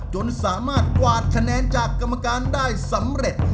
จนสามารถกวาดคะแนนจากกรรมการได้สำเร็จ